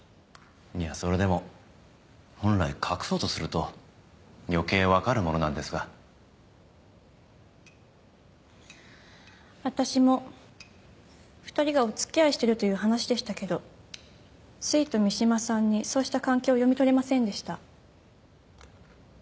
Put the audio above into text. いやそれでも本来隠そうとすると余計わかるものなんですが私も２人がおつきあいしてるという話でしたけどすいと三島さんにそうした関係を読み取れませんでした